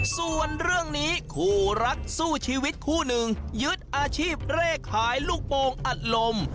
ส่วนเรื่องนี้คู่รักสู้ชีวิตคู่หนึ่งยึดอาชีพเร่ขายลูกโปรงอัดลม